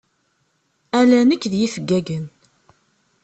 Ala nekk d yifeggagen.